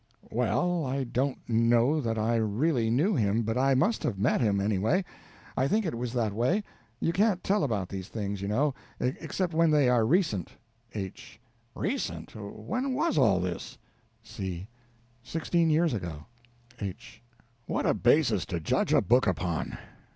Well, I don't know that I really knew him, but I must have met him, anyway. I think it was that way; you can't tell about these things, you know, except when they are recent. H. Recent? When was all this? C. Sixteen years ago. H. What a basis to judge a book upon!